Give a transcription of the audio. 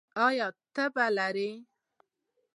ایا تبه لرئ؟